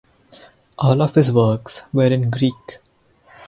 All of his works were in Greek.